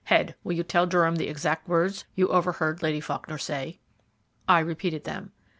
Head, will you tell Durham the exact words you overheard Lady Faulkner say?" I repeated them.